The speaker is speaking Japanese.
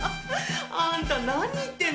あんた何言ってんの？